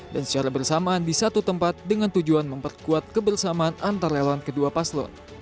dan secara bersamaan di satu tempat dengan tujuan memperkuat kebersamaan antarelawan kedua paslon